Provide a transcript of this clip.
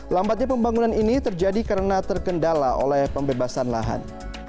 lambatnya pembangunan ini terjadi karena terkendala oleh pembebasan lahan